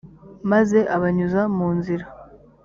maze abanyuza mu nzira